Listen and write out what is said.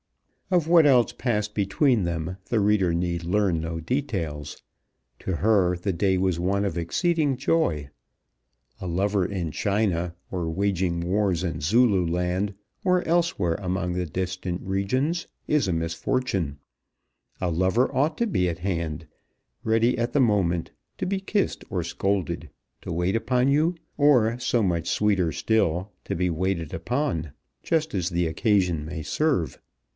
Of what else passed between them the reader need learn no details. To her the day was one of exceeding joy. A lover in China, or waging wars in Zululand or elsewhere among the distant regions, is a misfortune. A lover ought to be at hand, ready at the moment, to be kissed or scolded, to wait upon you, or, so much sweeter still, to be waited upon, just as the occasion may serve.